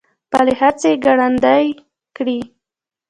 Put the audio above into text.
خپلې هڅې ګړندۍ کړي.